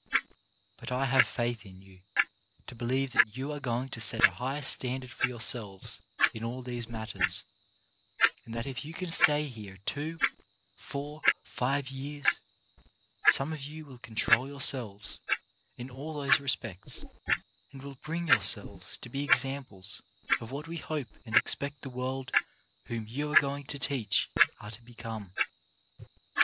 But I have faith in you to believe that you are going to set a high standard for yourselves in all these matters, and that if you can stay here two, four, five years, some of you will control your selves in all those respects, and will bring your selves to be examples of what we hope and expect the people whom you are going to teach are to become.